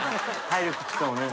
体力使うね。